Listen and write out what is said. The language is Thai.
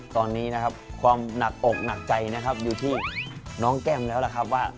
ตอนนี้นะครับความหนักอกหนักใจนะครับอยู่ที่น้องแก้มแล้วล่ะครับว่า